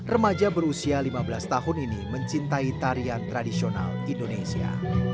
remaja berusia lima belas tahun ini mencintai tarian tradisional indonesia